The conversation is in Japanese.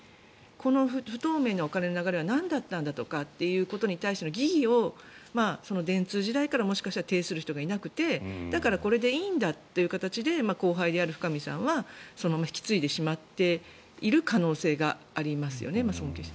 この不透明なお金の流れはなんだったんだとかっていうことに対しての疑義を電通時代から、もしかしたら呈する人がいなくてだからこれでいいんだという形で後輩である深見さんはそのまま引き継いでしまっている可能性はありますよね。